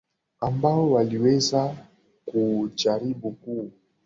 ambao waliweza kujaribu ku